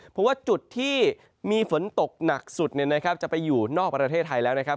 เพราะว่าจุดที่มีฝนตกหนักสุดจะไปอยู่นอกประเทศไทยแล้วนะครับ